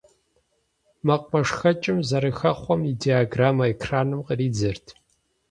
МэкъумэшхэкӀым зэрыхэхъуэм и диаграммэ экраным къридзэрт.